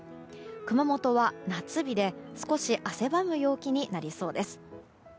熊本は夏日で少し汗ばむ陽気になりそうです。